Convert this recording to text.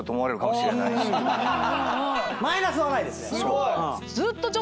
マイナスはないですね。